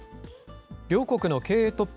両国の経営トップ